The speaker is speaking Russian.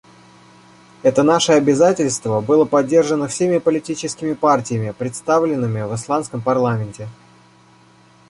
Это наше обязательство было поддержано всеми политическими партиями, представленными в исландском парламенте.